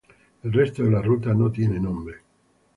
El resto de la ruta no tiene nombre.